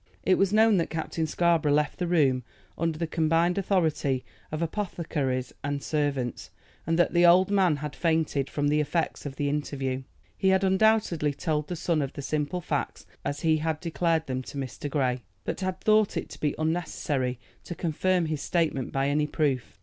It was known that Captain Scarborough left the room under the combined authority of apothecaries and servants, and that the old man had fainted from the effects of the interview. He had undoubtedly told the son of the simple facts as he had declared them to Mr. Grey, but had thought it to be unnecessary to confirm his statement by any proof.